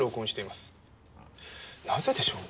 なぜでしょう？